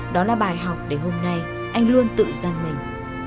đó là bài học để hôm nay anh luôn tự dân mình